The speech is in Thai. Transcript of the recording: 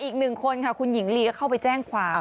อีกหนึ่งคนค่ะคุณหญิงลีก็เข้าไปแจ้งความ